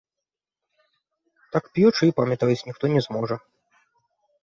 Так п'ючы, і памятаваць ніхто не зможа.